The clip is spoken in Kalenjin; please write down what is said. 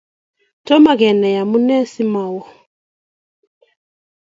tom kenai amunee simawo